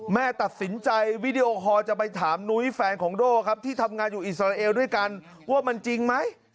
แม่ตัดสินใจวิดีโอคอลจะไปถามนุ้ยแฟนของโด่ครับที่ทำงานอยู่อิสราเอลด้วยกันว่ามันจริงไหม